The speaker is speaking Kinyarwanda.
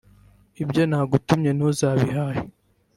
ibyo ntagutumye ntuzabihahe’